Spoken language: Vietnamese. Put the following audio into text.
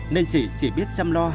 nên chị chỉ biết chăm lo